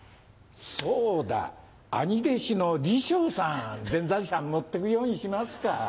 そうだあに弟子の鯉昇さん全財産持って行くようにしますか。